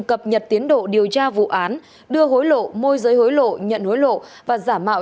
cập nhật tiến độ điều tra vụ án đưa hối lộ môi giới hối lộ nhận hối lộ và giả mạo